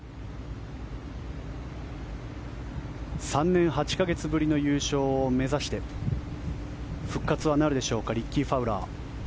３年８か月ぶりの優勝を目指して復活はなるでしょうかリッキー・ファウラー。